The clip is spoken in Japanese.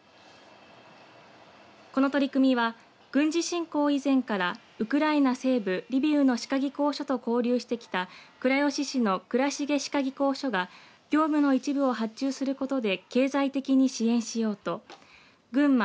この取り組みは軍事侵攻以前からウクライナ西部リビウの歯科技工所と交流してきた倉吉市の倉繁歯科技工所が業務の一部を発注することで経済的に支援しようと群馬、